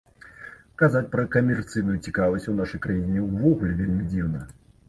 Казаць пра камерцыйную цікавасць у нашай краіне увогуле вельмі дзіўна.